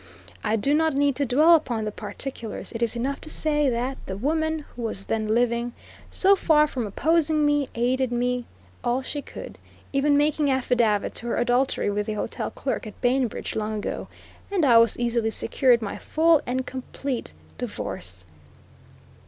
I do not need to dwell upon the particulars; it is enough to say, that the woman, who was then living, so far from opposing me, aided me all she could, even making affidavit to her adultery with the hotel clerk at Bainbridge, long ago, and I easily secured my full and complete divorce.